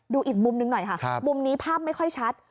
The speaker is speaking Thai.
ดูอีกมุมหนึ่งหน่อยค่ะมุมนี้ภาพไม่ค่อยชัด